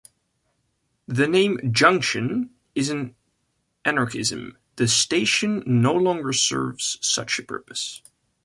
The name "Junction" is an anachronism: the station no longer serves such a purpose.